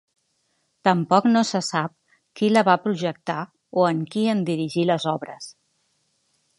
Tampoc no se sap qui la va projectar o en qui en dirigí les obres.